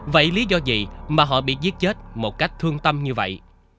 vậy lý do gì mà họ bị giết chết một cách thương tâm như vậy